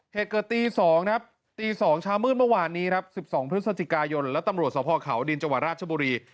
เหตุเกิดตี๒ครับตี๒เช้ามืดเมื่อวานนี้ครับ๑๒พฤศจิกายนและตำรวจสภเขาดินจังหวัดราชบุรี